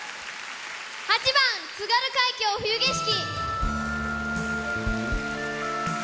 ８番「津軽海峡・冬景色」。